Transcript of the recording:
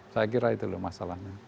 saya kira itu masalahnya